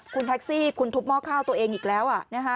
คุณแท็กซี่คุณทุบหม้อข้าวตัวเองอีกแล้ว